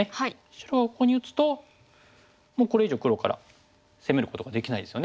白がここに打つともうこれ以上黒から攻めることができないですよね。